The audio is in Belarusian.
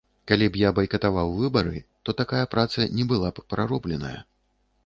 Калі б я байкатаваў выбары, то такая праца не была б праробленая.